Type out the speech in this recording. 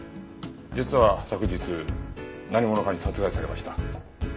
実は昨日何者かに殺害されました。